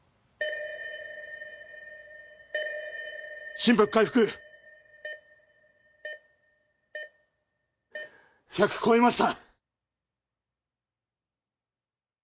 心拍回復１００超えました